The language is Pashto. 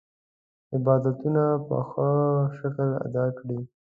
عبادتونه په ښه شکل ادا کړي.